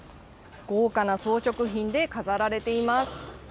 豪華な装飾品で飾られています。